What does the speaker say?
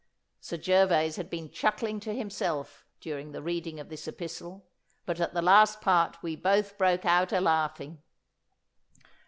Sir Gervas had been chuckling to himself during the reading of this epistle, but at the last part we both broke out a laughing.